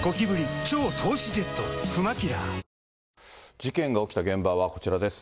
事件が起きた現場はこちらです。